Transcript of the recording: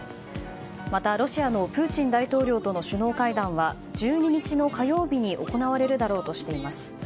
また、ロシアのプーチン大統領との首脳会談は１２日の火曜日に行われるだろうとしています。